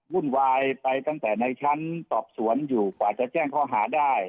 วุ่นวายไปตั้งแต่ในชั้นสอบสวนอยู่กว่าจะแจ้งข้อหาได้